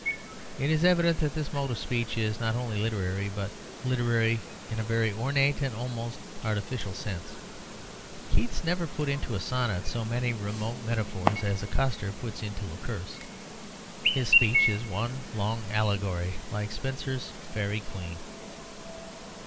It is evident that this mode of speech is not only literary, but literary in a very ornate and almost artificial sense. Keats never put into a sonnet so many remote metaphors as a coster puts into a curse; his speech is one long allegory, like Spenser's 'Faerie Queen.'